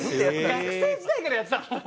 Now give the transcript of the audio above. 学生時代からやってたの？